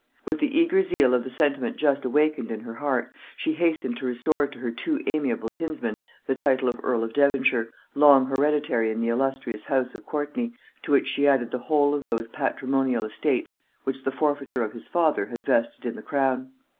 With the eager zeal of the sentiment just awakened in her heart, she hastened to restore to her too amiable kinsman the title of earl of Devonshire, long hereditary in the illustrious house of Courtney, to which she added the whole of those patrimonial estates which the forfeiture of his father had vested in the crown.